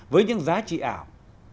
với những giá trị ảo